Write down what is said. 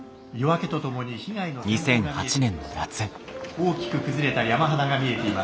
大きく崩れた山肌が見えています。